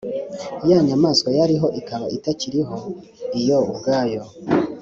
Ya nyamaswa yariho ikaba itakiriho iyo ubwayo